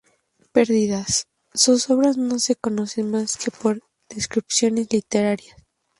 Perdidas, sus obras no se conocen más que por descripciones literarias.